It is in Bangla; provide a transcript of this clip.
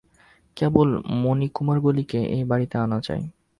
কেবল মুনিকুমারগুলিকে এই বাড়িতে আনা চাই।